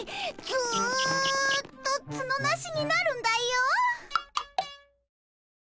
ずっとツノなしになるんだよ。